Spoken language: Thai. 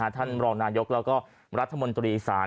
ท่านรองนายกแล้วก็รัฐมนตรีอีสาน